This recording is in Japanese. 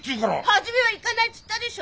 初めは行かないっつったでしょ。